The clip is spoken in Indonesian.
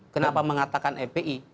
kenapa mengatakan fpi